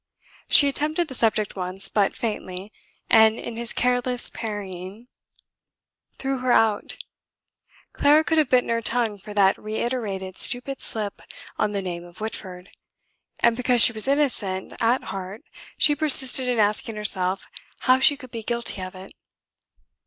She attempted the subject once, but faintly, and his careless parrying threw her out. Clara could have bitten her tongue for that reiterated stupid slip on the name of Whitford; and because she was innocent at heart she persisted in asking herself how she could be guilty of it.